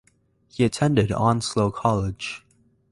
He attended Onslow College.